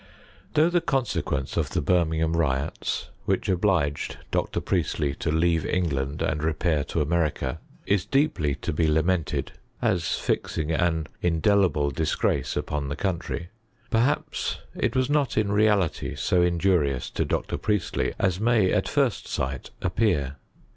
Though the consequence of the Birmingham riots, which obliged Dr. Priestley to leave England and repair to America, is deeply to be lamented, as fixing an indelible disgrace upon the country ; per haps it was not in reality so injurious to Dr. Priestley as may at first sight appear.